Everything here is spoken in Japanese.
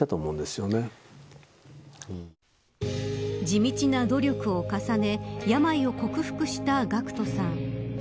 地道な努力を重ね病を克服したＧＡＣＫＴさん。